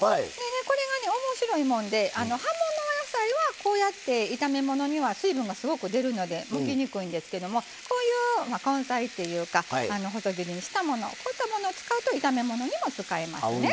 これがおもしろいもんで葉物野菜はこうやって炒め物には水分がすごく出るので向きにくいんですけどもこういう根菜っていうか細切りにしたものこういったもの使うと炒め物にも使えますね。